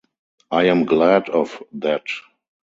I am glad of that!